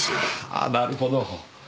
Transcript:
ああなるほど。